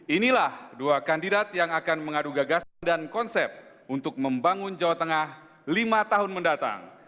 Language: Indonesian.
inilah dua kandidat yang akan mengadu gagasan dan konsep untuk membangun jawa tengah lima tahun mendatang